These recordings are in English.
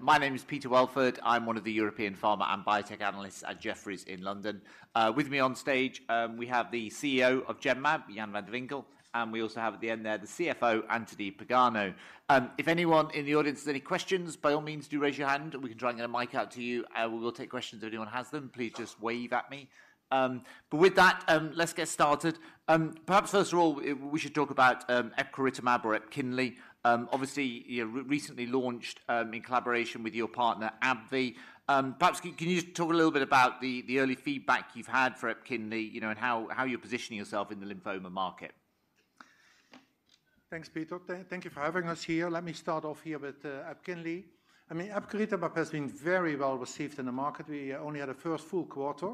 My name is Peter Welford. I'm one of the European pharma and biotech analysts at Jefferies in London. With me on stage, we have the CEO of Genmab, Jan van de Winkel, and we also have at the end there the CFO, Anthony Pagano. If anyone in the audience has any questions, by all means, do raise your hand, and we can try and get a mic out to you. We will take questions if anyone has them. Please just wave at me. With that, let's get started. Perhaps first of all, we should talk about epcoritamab or Epkinly. Obviously, you recently launched in collaboration with your partner, AbbVie. Perhaps can you just talk a little bit about the early feedback you've had for EPKINLY, you know, and how you're positioning yourself in the lymphoma market? Thanks, Peter. Thank you for having us here. Let me start off here with EPKINLY. I mean, epcoritamab has been very well received in the market. We only had a first full quarter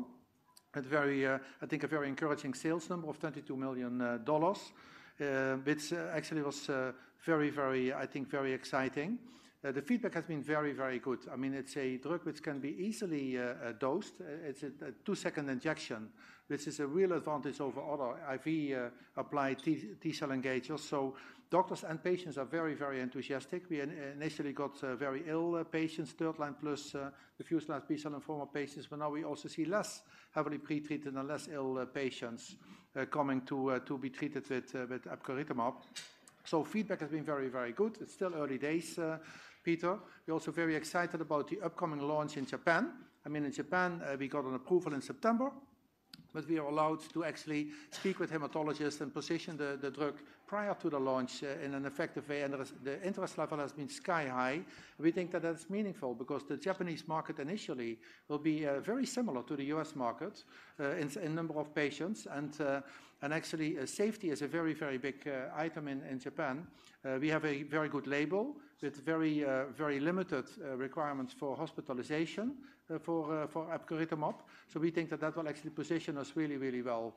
at very... I think, a very encouraging sales number of $22 million, which actually was very, very, I think, very exciting. The feedback has been very, very good. I mean, it's a drug which can be easily dosed. It's a two-second injection, which is a real advantage over other IV-applied T-cell engagers. So doctors and patients are very, very enthusiastic. We initially got very ill patients, third line plus, diffuse large B-cell lymphoma patients, but now we also see less heavily pretreated and less ill patients coming to be treated with epcoritamab. Feedback has been very, very good. It's still early days, Peter. We're also very excited about the upcoming launch in Japan. I mean, in Japan, we got an approval in September, but we are allowed to actually speak with hematologists and position the drug prior to the launch, in an effective way, and the interest level has been sky high. We think that that's meaningful because the Japanese market initially will be very similar to the U.S. market, in number of patients, and actually, safety is a very, very big item in Japan. We have a very good label with very, very limited requirements for hospitalization, for epcoritamab, so we think that that will actually position us really, really well.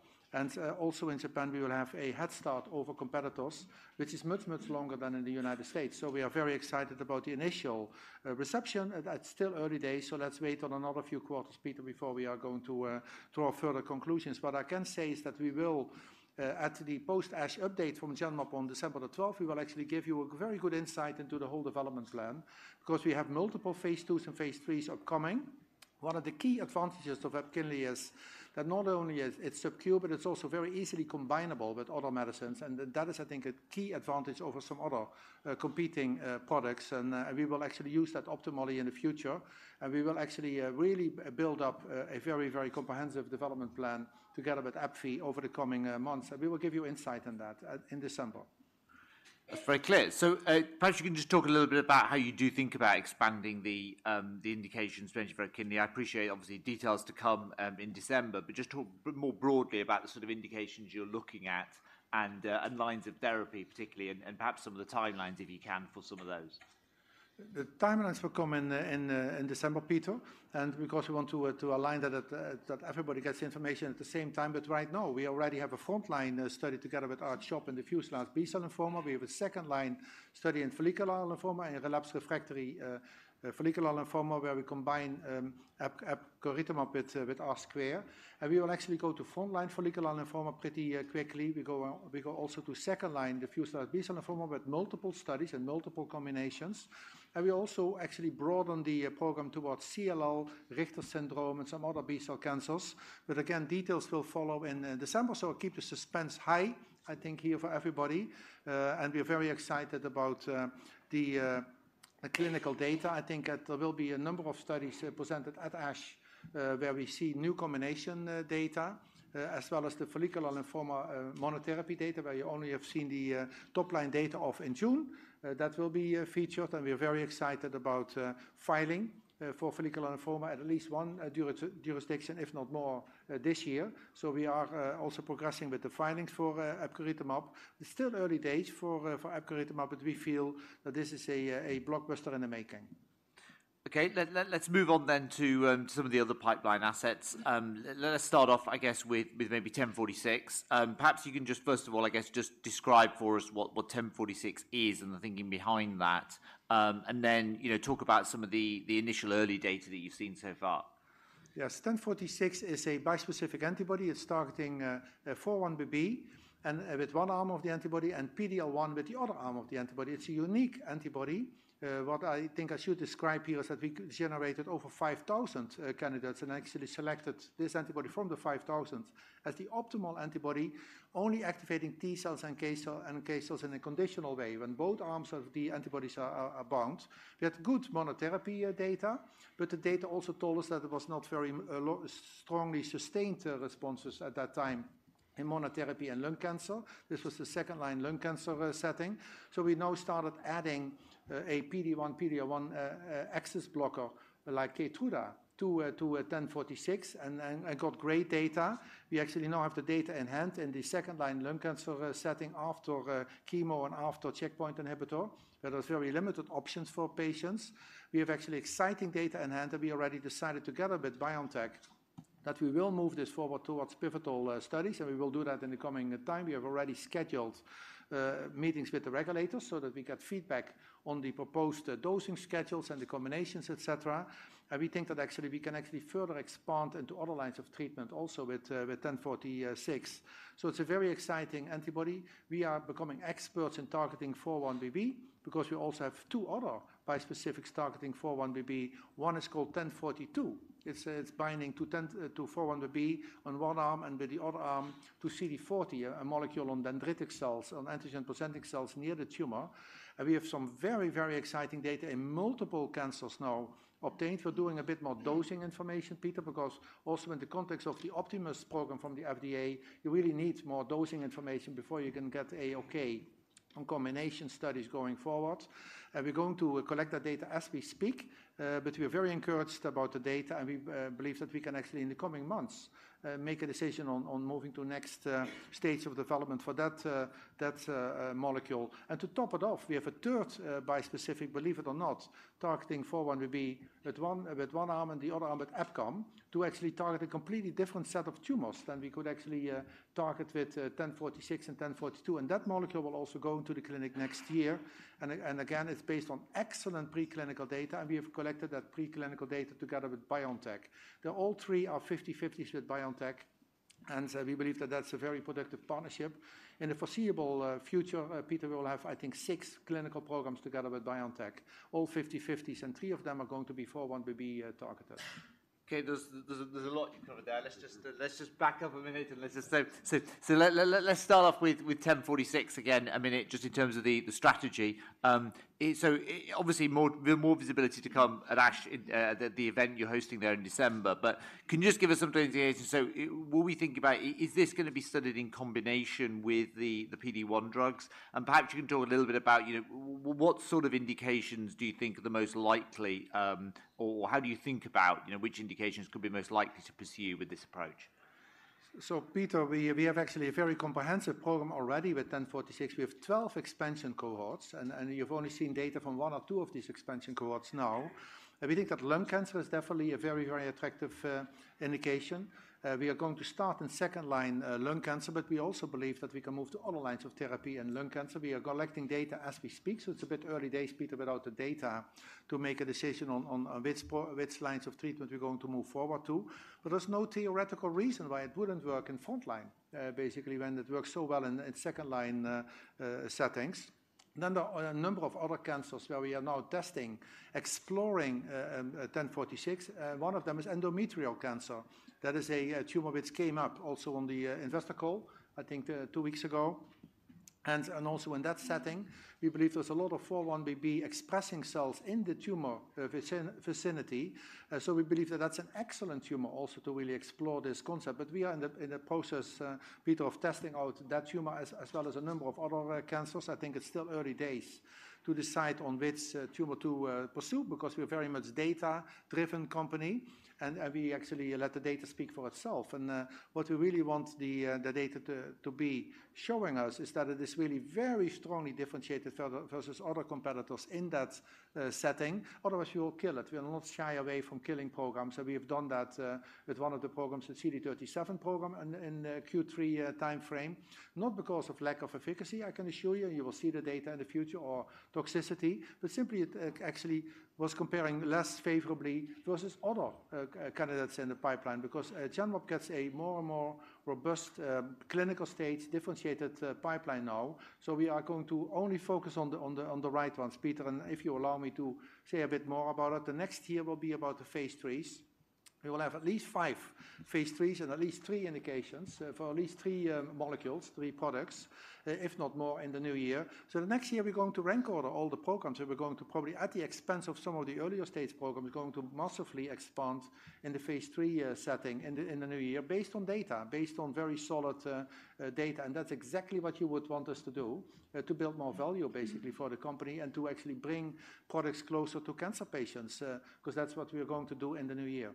Also in Japan, we will have a head start over competitors, which is much, much longer than in the United States. So we are very excited about the initial reception. It's still early days, so let's wait on another few quarters, Peter, before we are going to draw further conclusions. What I can say is that we will, at the post-ASH update from Genmab on December the twelfth, actually give you a very good insight into the whole development plan. Because we have multiple phase 2s and phase 3s upcoming. One of the key advantages of EPKINLY is that not only is it subQ, but it's also very easily combinable with other medicines, and that is, I think, a key advantage over some other competing products. We will actually use that optimally in the future, and we will actually really build up a very, very comprehensive development plan together with AbbVie over the coming months, and we will give you insight on that in December. That's very clear. So, perhaps you can just talk a little bit about how you do think about expanding the, the indications for EPKINLY. I appreciate, obviously, details to come, in December, but just talk more broadly about the sort of indications you're looking at and, and lines of therapy, particularly, and, perhaps some of the timelines, if you can, for some of those. The timelines will come in in December, Peter, and because we want to align that everybody gets information at the same time. But right now, we already have a frontline study together with R-CHOP and diffuse large B-cell lymphoma. We have a second-line study in follicular lymphoma, in relapsed refractory follicular lymphoma, where we combine epcoritamab with R², and we will actually go to frontline follicular lymphoma pretty quickly. We go also to second-line diffuse large B-cell lymphoma with multiple studies and multiple combinations. And we also actually broaden the program towards CLL, Richter syndrome, and some other B-cell cancers. But again, details will follow in December, so keep the suspense high, I think, here for everybody. And we're very excited about the clinical data. I think that there will be a number of studies presented at ASH, where we see new combination data, as well as the follicular lymphoma monotherapy data, where you only have seen the top-line data of in June. That will be featured, and we are very excited about filing for follicular lymphoma at least one jurisdiction, if not more, this year. So we are also progressing with the filings for epcoritamab. It's still early days for epcoritamab, but we feel that this is a blockbuster in the making. Okay. Let's move on then to some of the other pipeline assets. Let's start off, I guess, with maybe 1046. Perhaps you can just, first of all, I guess, just describe for us what 1046 is and the thinking behind that. And then, you know, talk about some of the initial early data that you've seen so far. Yes. GEN1046 is a bispecific antibody. It's targeting 4-1BB with one arm of the antibody and PD-L1 with the other arm of the antibody. It's a unique antibody. What I think I should describe here is that we generated over 5,000 candidates and actually selected this antibody from the 5,000 as the optimal antibody, only activating T cells and NK cell, and NK cells in a conditional way when both arms of the antibodies are bound. We had good monotherapy data, but the data also told us that it was not very strongly sustained responses at that time in monotherapy and lung cancer. This was the second-line lung cancer setting. So we now started adding a PD-1, PD-L1 axis blocker like Keytruda to GEN1046, and then I got great data. We actually now have the data in hand in the second-line lung cancer setting after chemo and after checkpoint inhibitor, where there's very limited options for patients. We have actually exciting data in hand, and we already decided together with BioNTech that we will move this forward towards pivotal studies, and we will do that in the coming time. We have already scheduled meetings with the regulators so that we get feedback on the proposed dosing schedules and the combinations, et cetera. And we think that actually we can actually further expand into other lines of treatment also with GEN1046. So it's a very exciting antibody. We are becoming experts in targeting 4-1BB, because we also have two other bispecifics targeting 4-1BB. One is called GEN1042. It's, it's binding to 4-1BB on one arm, and with the other arm to CD40, a molecule on dendritic cells, on antigen presenting cells near the tumor. We have some very, very exciting data in multiple cancers now obtained. We're doing a bit more dosing information, Peter, because also in the context of the Project Optimus program from the FDA, you really need more dosing information before you can get a okay on combination studies going forward. And we're going to collect that data as we speak, but we are very encouraged about the data, and we believe that we can actually, in the coming months, make a decision on moving to next stage of development for that molecule. And to top it off, we have a third bispecific, believe it or not, targeting 4-1BB, with one arm and the other arm with EpCAM, to actually target a completely different set of tumors than we could actually target with GEN1046 and GEN1042. And that molecule will also go into the clinic next year. And again, it's based on excellent preclinical data, and we have collected that preclinical data together with BioNTech. They all three are 50/50s with BioNTech, and we believe that that's a very productive partnership. In the foreseeable future, Peter, we will have, I think, 6 clinical programs together with BioNTech, all 50/50s, and 3 of them are going to be 4-1BB targeted. Okay, there's a lot you covered there. Let's just back up a minute and let's just... So, let's start off with 1046 again, I mean, just in terms of the strategy. So obviously more visibility to come at ASH, the event you're hosting there in December, but can you just give us some orientation? So, what we think about- is this gonna be studied in combination with the PD-1 drugs? And perhaps you can talk a little bit about, you know, what sort of indications do you think are the most likely, or how do you think about, you know, which indications could be most likely to pursue with this approach? So, Peter, we have actually a very comprehensive program already with GEN1046. We have 12 expansion cohorts, and you've only seen data from 1 or 2 of these expansion cohorts now. We think that lung cancer is definitely a very, very attractive indication. We are going to start in second-line lung cancer, but we also believe that we can move to other lines of therapy in lung cancer. We are collecting data as we speak, so it's a bit early days, Peter, without the data to make a decision on which lines of treatment we're going to move forward to. But there's no theoretical reason why it wouldn't work in frontline, basically, when it works so well in second line settings. Then there are a number of other cancers where we are now testing, exploring, 1046. One of them is endometrial cancer. That is a tumor which came up also on the investor call, I think, two weeks ago. And also in that setting, we believe there's a lot of 4-1BB expressing cells in the tumor vicinity, so we believe that that's an excellent tumor also to really explore this concept. But we are in the process, Peter, of testing out that tumor as well as a number of other cancers. I think it's still early days to decide on which tumor to pursue, because we're very much data-driven company, and we actually let the data speak for itself. And, what we really want the, the data to, to be showing us, is that it is really very strongly differentiated further versus other competitors in that, setting. Otherwise, we will kill it. We are not shy away from killing programs, and we have done that, with one of the programs, the CD37 program, in, in, Q3, timeframe. Not because of lack of efficacy, I can assure you, and you will see the data in the future or toxicity, but simply it, actually was comparing less favorably versus other, candidates in the pipeline. Because, Genmab gets a more and more robust, clinical stage, differentiated, pipeline now. So we are going to only focus on the right ones, Peter, and if you allow me to say a bit more about it, the next year will be about the phase IIIs. We will have at least five phase IIIs and at least three indications for at least three molecules, three products, if not more, in the new year. So the next year, we're going to rank order all the programs, and we're going to probably, at the expense of some of the earlier stage programs, we're going to massively expand in the phase III setting in the new year, based on data, based on very solid data. That's exactly what you would want us to do, to build more value basically for the company and to actually bring products closer to cancer patients, 'cause that's what we are going to do in the new year.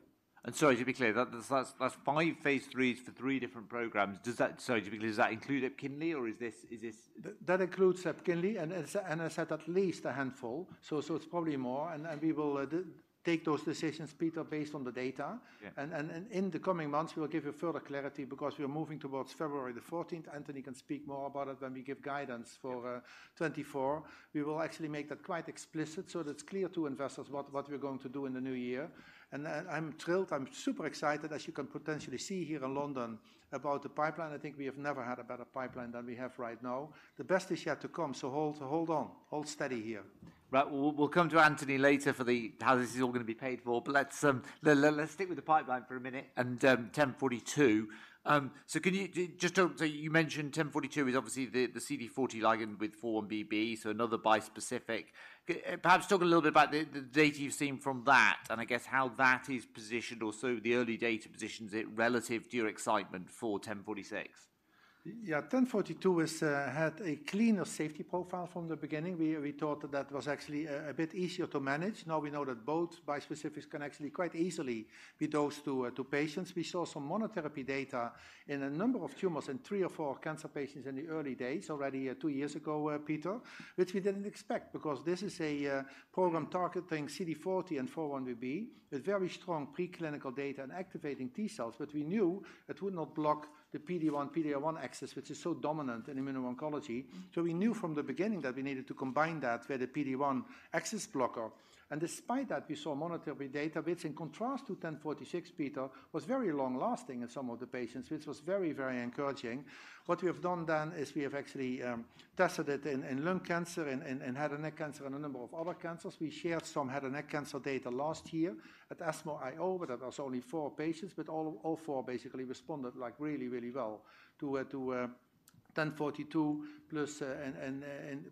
So just to be clear, that's five phase IIIs for three different programs. Does that... Sorry, does that include EPKINLY or is this, is this- That includes EPKINLY, and as I said, at least a handful, so it's probably more. Then we will take those decisions, Peter, based on the data. Yeah. In the coming months, we will give you further clarity because we are moving towards February the fourteenth. Anthony can speak more about it when we give guidance for- Yeah... 2024. We will actually make that quite explicit, so that it's clear to investors what, what we're going to do in the new year. And, and I'm thrilled, I'm super excited, as you can potentially see here in London, about the pipeline. I think we have never had a better pipeline than we have right now. The best is yet to come, so hold, hold on. Hold steady here. Right. We'll come to Anthony later for how this is all gonna be paid for, but let's stick with the pipeline for a minute and 1042. So can you just... You mentioned 1042 is obviously the CD40 ligand with 4-1BB, so another bispecific. Perhaps talk a little bit about the data you've seen from that, and I guess how that is positioned or so the early data positions it relative to your excitement for 1046?... Yeah, GEN1042 is, had a cleaner safety profile from the beginning. We, we thought that was actually a bit easier to manage. Now we know that both bispecifics can actually quite easily be dosed to patients. We saw some monotherapy data in a number of tumors in three or four cancer patients in the early days, already, two years ago, Peter, which we didn't expect because this is a program targeting CD40 and 4-1BB, with very strong preclinical data and activating T-cells. But we knew it would not block the PD-1, PD-L1 axis, which is so dominant in immuno-oncology. So we knew from the beginning that we needed to combine that with a PD-1 axis blocker. And despite that, we saw monotherapy data, which in contrast to GEN1046, Peter, was very long-lasting in some of the patients, which was very, very encouraging. What we have done then is we have actually tested it in lung cancer, in head and neck cancer, and a number of other cancers. We shared some head and neck cancer data last year at ESMO IO, but that was only four patients, but all four basically responded, like, really, really well to GEN1042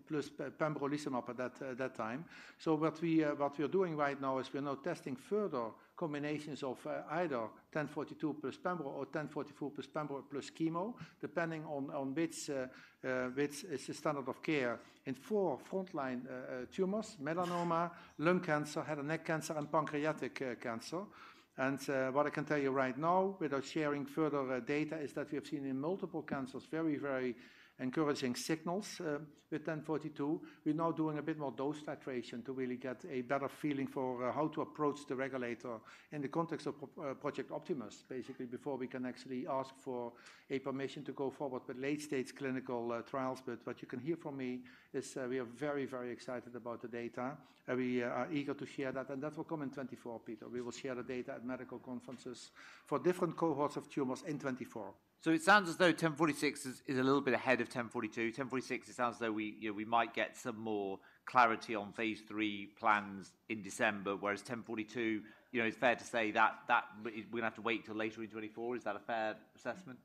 plus pembrolizumab at that time. So what we're doing right now is we're now testing further combinations of either 1042 plus pembro or 1046 plus pembro plus chemo, depending on which is the standard of care in four frontline tumors: melanoma, lung cancer, head and neck cancer, and pancreatic cancer. And what I can tell you right now, without sharing further data, is that we have seen in multiple cancers very, very encouraging signals with 1042. We're now doing a bit more dose titration to really get a better feeling for how to approach the regulator in the context of Project Optimus, basically, before we can actually ask for a permission to go forward with late-stage clinical trials. What you can hear from me is, we are very, very excited about the data, and we are eager to share that, and that will come in 2024, Peter. We will share the data at medical conferences for different cohorts of tumors in 2024. So it sounds as though 1046 is a little bit ahead of 1042. 1046, it sounds as though we, you know, we might get some more clarity on phase III plans in December, whereas 1042, you know, it's fair to say that we're gonna have to wait till later in 2024. Is that a fair assessment?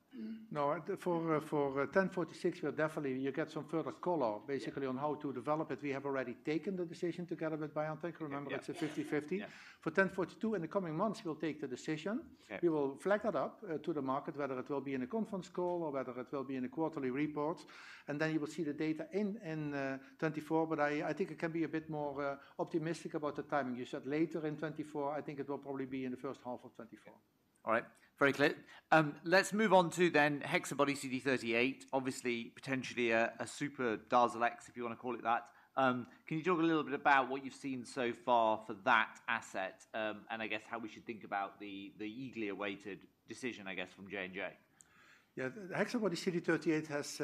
No, for 1046, we are definitely... You get some further color- Yeah. Basically on how to develop it. We have already taken the decision together with BioNTech. Yeah, yeah. Remember, it's a 50/50. Yeah. For GEN1042, in the coming months, we'll take the decision. Yeah. We will flag that up to the market, whether it will be in a conference call or whether it will be in a quarterly report, and then you will see the data in 2024. But I think it can be a bit more optimistic about the timing. You said later in 2024, I think it will probably be in the first half of 2024. All right. Very clear. Let's move on to then HexaBody-CD38. Obviously, potentially a, a super Darzalex, if you wanna call it that. Can you talk a little bit about what you've seen so far for that asset, and I guess how we should think about the, the eagerly awaited decision, I guess, from J&J? Yeah. The HexaBody-CD38 has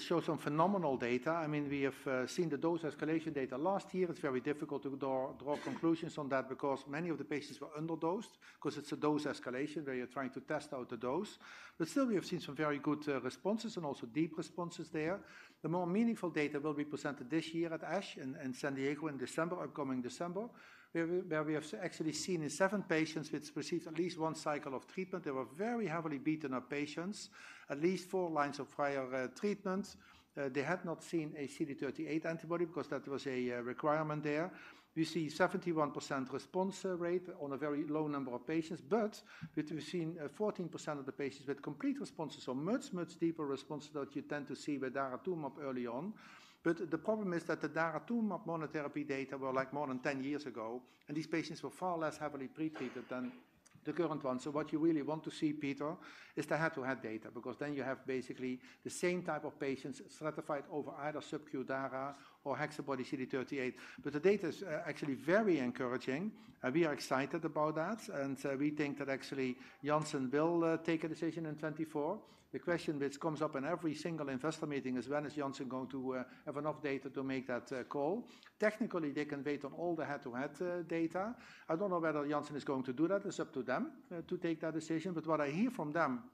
shown some phenomenal data. I mean, we have seen the dose escalation data last year. It's very difficult to draw conclusions on that because many of the patients were underdosed, because it's a dose escalation where you're trying to test out the dose. But still, we have seen some very good responses and also deep responses there. The more meaningful data will be presented this year at ASH, in San Diego in December, where we have actually seen in seven patients, which received at least one cycle of treatment. They were very heavily beaten up patients, at least four lines of prior treatment. They had not seen a CD38 antibody because that was a requirement there. We see 71% response rate on a very low number of patients, but we have seen 14% of the patients with complete responses, so much, much deeper response that you tend to see with daratumumab early on. But the problem is that the daratumumab monotherapy data were, like, more than 10 years ago, and these patients were far less heavily pretreated than the current ones. So what you really want to see, Peter, is the head-to-head data, because then you have basically the same type of patients stratified over either subcu dara or HexaBody-CD38. But the data is, actually very encouraging, and we are excited about that. And, we think that actually Janssen will, take a decision in 2024. The question which comes up in every single investor meeting is: When is Janssen going to have enough data to make that call? Technically, they can wait on all the head-to-head data. I don't know whether Janssen is going to do that. It's up to them to take that decision. But what I hear from them is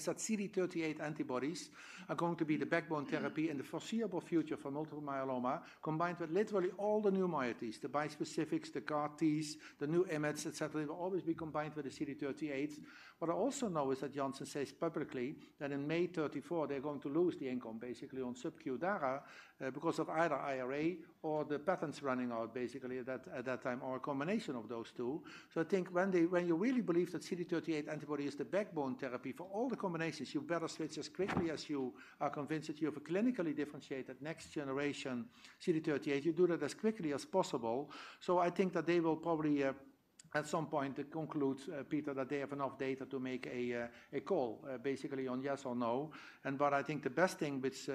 that CD38 antibodies are going to be the backbone therapy in the foreseeable future for multiple myeloma, combined with literally all the new moieties, the bispecifics, the CAR Ts, the new IMiDs, et cetera, will always be combined with the CD38. What I also know is that Janssen says publicly that in May 2034, they're going to lose the income basically on subcu dara because of either IRA or the patents running out basically at that time, or a combination of those two. So I think when you really believe that CD38 antibody is the backbone therapy for all the combinations, you better switch as quickly as you are convinced that you have a clinically differentiated next generation CD38. You do that as quickly as possible. So I think that they will probably, at some point conclude, Peter, that they have enough data to make a call, basically on yes or no. And but I think the best thing which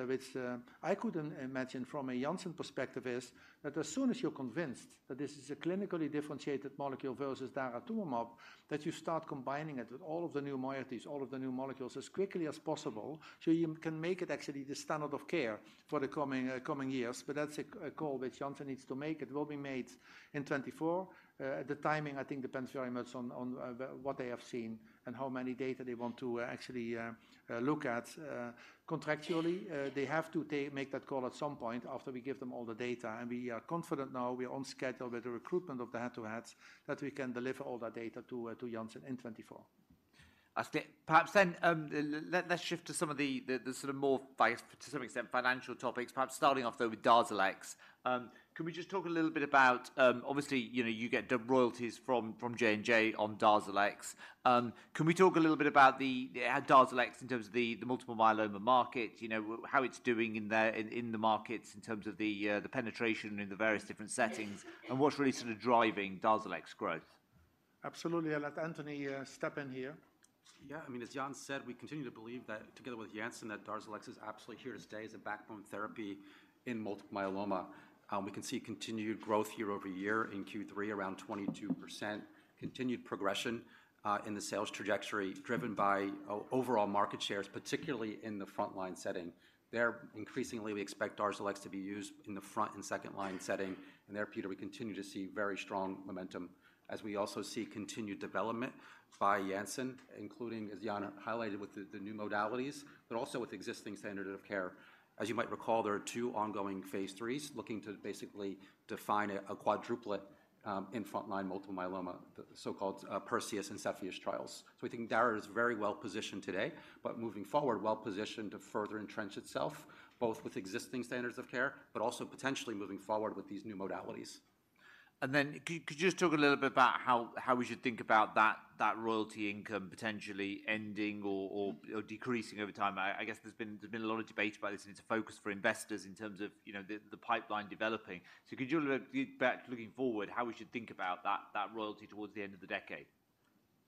I could imagine from a Janssen perspective is, that as soon as you're convinced that this is a clinically differentiated molecule versus daratumumab, that you start combining it with all of the new moieties, all of the new molecules as quickly as possible, so you can make it actually the standard of care for the coming years. But that's a call which Janssen needs to make. It will be made in 2024. The timing, I think, depends very much on what they have seen and how many data they want to actually look at, contractually. They have to make that call at some point after we give them all the data, and we are confident now we are on schedule with the recruitment of the head-to-heads, that we can deliver all that data to Janssen in 2024.... Perhaps then, let's shift to some of the sort of more, I guess, to some extent, financial topics, perhaps starting off, though, with Darzalex. Can we just talk a little bit about... obviously, you know, you get the royalties from J&J on Darzalex. Can we talk a little bit about how Darzalex in terms of the multiple myeloma market, you know, how it's doing in there, in the markets in terms of the penetration in the various different settings, and what's really sort of driving Darzalex growth? Absolutely. I'll let Anthony step in here. Yeah. I mean, as Jan said, we continue to believe that together with Janssen, that Darzalex is absolutely here to stay as a backbone therapy in multiple myeloma. We can see continued growth year-over-year in Q3, around 22%. Continued progression in the sales trajectory, driven by overall market shares, particularly in the front line setting. There, increasingly, we expect Darzalex to be used in the front and second line setting. And there, Peter, we continue to see very strong momentum, as we also see continued development by Janssen, including, as Jan highlighted, with the new modalities, but also with existing standard of care. As you might recall, there are two ongoing phase 3s looking to basically define a quadruplet in front-line multiple myeloma, the so-called Perseus and Cepheus trials. I think Dara is very well positioned today, but moving forward, well positioned to further entrench itself, both with existing standards of care, but also potentially moving forward with these new modalities. And then could you just talk a little bit about how we should think about that royalty income potentially ending or decreasing over time? I guess there's been a lot of debate about this, and it's a focus for investors in terms of, you know, the pipeline developing. So could you elaborate a bit looking forward, how we should think about that royalty towards the end of the decade?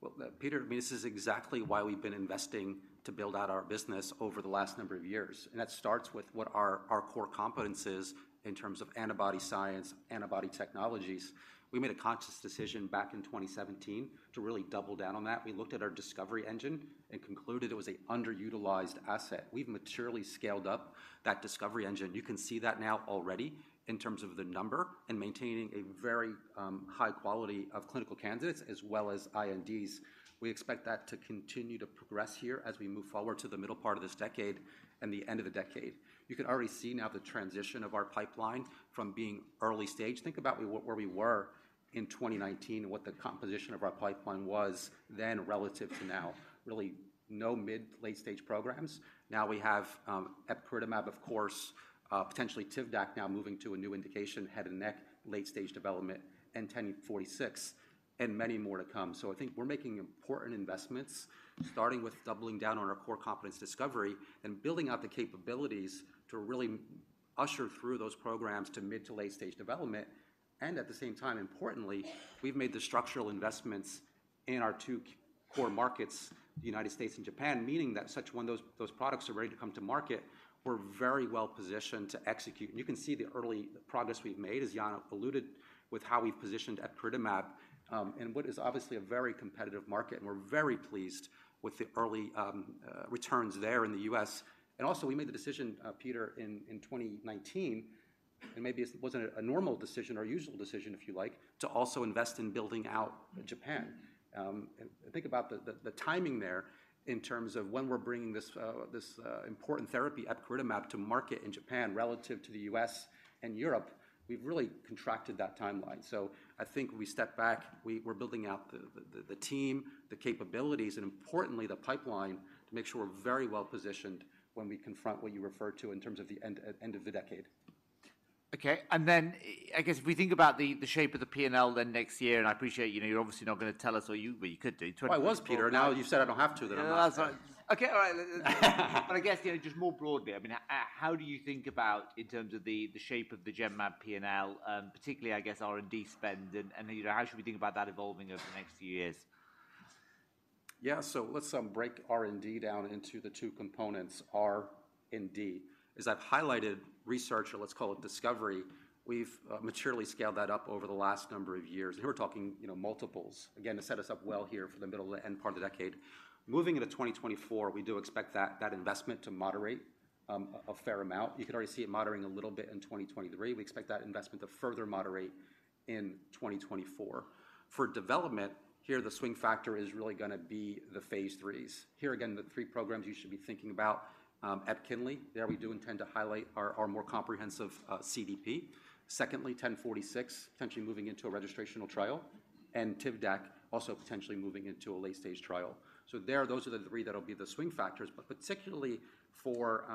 Well, Peter, I mean, this is exactly why we've been investing to build out our business over the last number of years, and that starts with what are our core competencies in terms of antibody science, antibody technologies. We made a conscious decision back in 2017 to really double down on that. We looked at our discovery engine and concluded it was an underutilized asset. We've materially scaled up that discovery engine. You can see that now already in terms of the number and maintaining a very high quality of clinical candidates, as well as INDs. We expect that to continue to progress here as we move forward to the middle part of this decade and the end of the decade. You can already see now the transition of our pipeline from being early stage... Think about where we were in 2019, and what the composition of our pipeline was then relative to now, really no mid, late stage programs. Now we have epcoritamab, of course, potentially Tivdak now moving to a new indication, head and neck, late stage development, and GEN1046, and many more to come. So I think we're making important investments, starting with doubling down on our core competence discovery and building out the capabilities to really usher through those programs to mid to late-stage development. And at the same time, importantly, we've made the structural investments in our two core markets, the United States and Japan, meaning that such when those, those products are ready to come to market, we're very well positioned to execute. You can see the early progress we've made, as Jan alluded, with how we've positioned epcoritamab in what is obviously a very competitive market, and we're very pleased with the early returns there in the U.S. Also, we made the decision, Peter, in 2019, and maybe it wasn't a normal decision or usual decision, if you like, to also invest in building out Japan. And think about the timing there in terms of when we're bringing this important therapy epcoritamab to market in Japan relative to the U.S. and Europe. We've really contracted that timeline. So I think we step back, we're building out the team, the capabilities, and importantly, the pipeline, to make sure we're very well positioned when we confront what you referred to in terms of the end of the decade. Okay, and then I guess if we think about the shape of the P&L then next year, and I appreciate, you know, you're obviously not going to tell us, or you... well, you could do- Well, I was, Peter. Now you've said I don't have to, then I'm not going to. Okay. All right. But I guess, you know, just more broadly, I mean, how do you think about in terms of the, the shape of the Genmab P&L, particularly, I guess, R&D spend and, and, you know, how should we think about that evolving over the next few years? Yeah. So let's break R&D down into the two components, R and D. As I've highlighted, research, or let's call it discovery, we've maturely scaled that up over the last number of years. And we're talking, you know, multiples, again, to set us up well here for the middle to the end part of the decade. Moving into 2024, we do expect that investment to moderate a fair amount. You can already see it moderating a little bit in 2023. We expect that investment to further moderate in 2024. For development, here, the swing factor is really gonna be the phase 3s. Here again, the three programs you should be thinking about, EPKINLY. There, we do intend to highlight our more comprehensive CDP. Secondly, GEN1046, potentially moving into a registrational trial, and Tivdak, also potentially moving into a late-stage trial. So there, those are the three that will be the swing factors, but particularly for,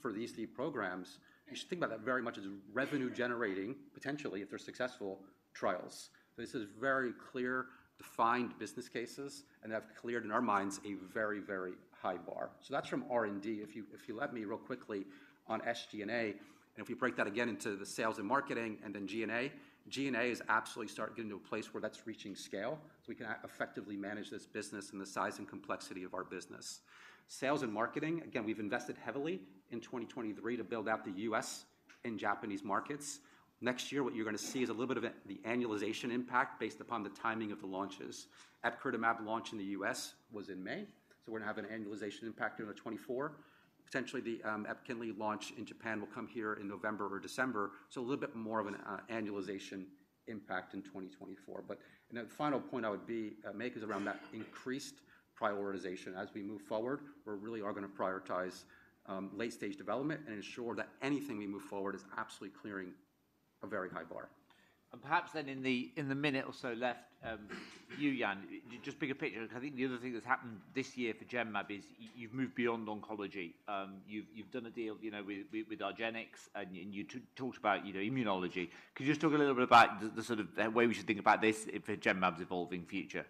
for these three programs, you should think about that very much as revenue-generating, potentially, if they're successful trials. This is very clear, defined business cases, and they have cleared, in our minds, a very, very high bar. So that's from R&D. If you, if you let me real quickly on SG&A, and if we break that again into the sales and marketing and then G&A, G&A is absolutely starting to get into a place where that's reaching scale, so we can effectively manage this business and the size and complexity of our business. Sales and marketing, again, we've invested heavily in 2023 to build out the U.S. and Japanese markets. Next year, what you're gonna see is a little bit of the annualization impact based upon the timing of the launches. Epcoritamab launch in the U.S. was in May, so we're gonna have an annualization impact during 2024. Potentially, the epkinly launch in Japan will come here in November or December, so a little bit more of an annualization impact in 2024. But, and then the final point I would be make is around that increased prioritization. As we move forward, we're really are gonna prioritize late stage development and ensure that anything we move forward is absolutely clearing a very high bar. Perhaps then in the minute or so left, you, Jan, just bigger picture, I think the other thing that's happened this year for Genmab is you've moved beyond oncology. You've done a deal, you know, with argenx, and you talked about, you know, immunology. Could you just talk a little bit about the sort of way we should think about this for Genmab's evolving future?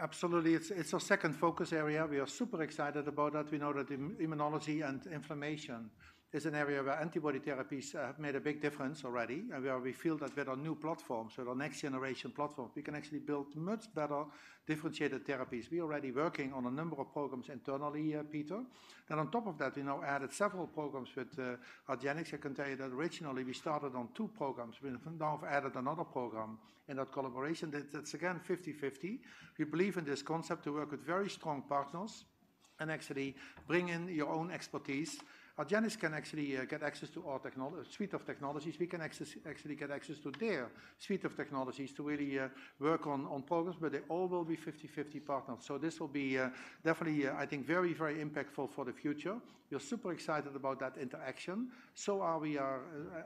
Absolutely. It's our second focus area. We are super excited about that. We know that immunology and inflammation is an area where antibody therapies have made a big difference already, and where we feel that with our new platforms, with our next-generation platforms, we can actually build much better differentiated therapies. We're already working on a number of programs internally, Peter, and on top of that, we now added several programs with argenx. I can tell you that originally we started on two programs. We've now added another program in that collaboration. That's, again, 50/50. We believe in this concept to work with very strong partners and actually bring in your own expertise. Argenx can actually get access to our technology suite of technologies. We can access, actually get access to their suite of technologies to really work on programs, but they all will be 50/50 partners. So this will be definitely, I think, very, very impactful for the future. We're super excited about that interaction, so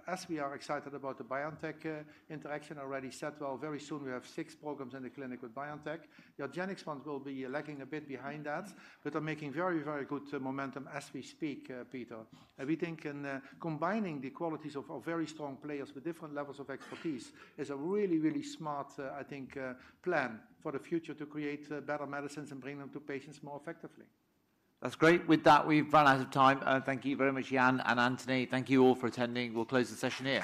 as we are excited about the BioNTech interaction already set. Well, very soon we have six programs in the clinic with BioNTech. The argenx ones will be lagging a bit behind that, but are making very, very good momentum as we speak, Peter. And we think combining the qualities of very strong players with different levels of expertise is a really, really smart, I think, plan for the future to create better medicines and bring them to patients more effectively. That's great. With that, we've run out of time. Thank you very much, Jan and Anthony. Thank you all for attending. We'll close the session here.